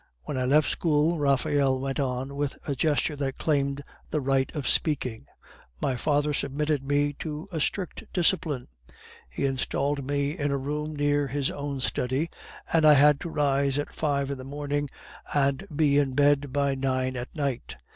"When I left school," Raphael went on, with a gesture that claimed the right of speaking, "my father submitted me to a strict discipline; he installed me in a room near his own study, and I had to rise at five in the morning and be in bed by nine at night.